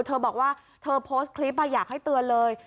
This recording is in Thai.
เธอบอกว่าเธอโพสต์คลิปอยากให้เตือนเลย